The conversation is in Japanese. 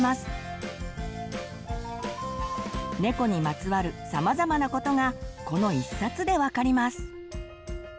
ねこにまつわるさまざまなことがこの一冊で分かります。